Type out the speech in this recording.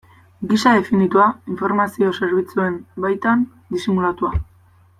Gisa definitua, informazio zerbitzuen baitan disimulatua.